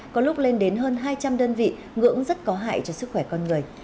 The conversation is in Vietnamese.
có lúc lên đến hơn hai trăm linh đơn vị ngưỡng rất có hại cho sức khỏe con người